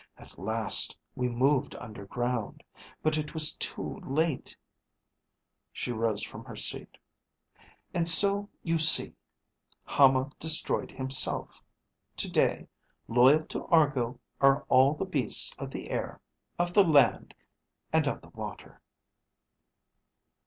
At last we moved underground, but it was too late." She rose from her seat. "And so you see, Hama destroyed himself. Today, loyal to Argo, are all the beasts of the air, of the land ... and of the water."